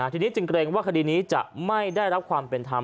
ทีนี้จึงเกรงว่าคดีนี้จะไม่ได้รับความเป็นธรรม